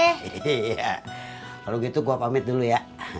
iya kalau gitu gue pamit dulu ya